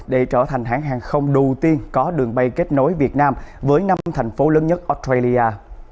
để trở thành hãng hàng không đầu tiên có đường bay kết nối việt nam với năm thành phố lớn nhất australia